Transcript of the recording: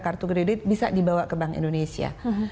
kartu kredit bisa dibawa ke bank indonesia